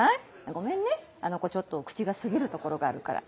ごめんねあの子ちょっと口が過ぎるところがあるから。